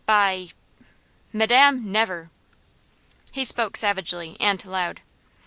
By , madam, never!" He spoke savagely, and loud.